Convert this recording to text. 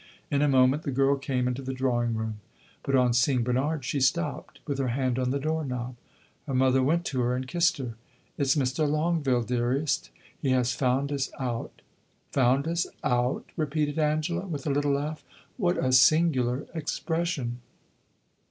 In a moment the girl came into the drawing room, but on seeing Bernard she stopped, with her hand on the door knob. Her mother went to her and kissed her. "It 's Mr. Longueville, dearest he has found us out." "Found us out?" repeated Angela, with a little laugh. "What a singular expression!"